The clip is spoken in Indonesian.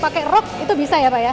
pakai rok itu bisa ya pak ya